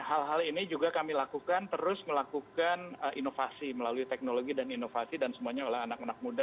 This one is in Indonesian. hal hal ini juga kami lakukan terus melakukan inovasi melalui teknologi dan inovasi dan semuanya oleh anak anak muda